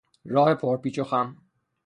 راه پر پیچ و خم